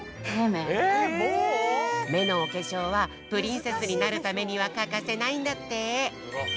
めのおけしょうはプリンセスになるためにはかかせないんだって。